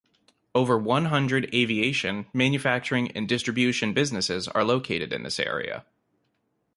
Over one hundred aviation, manufacturing and distribution businesses are located in this area.